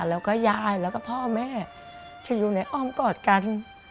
แล้วก็ยายแล้วก็พ่อแม่จะอยู่ในอ้อมกอดกัน